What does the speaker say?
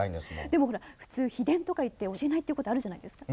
でもほら普通秘伝とかいって教えないっていうことあるじゃないですか。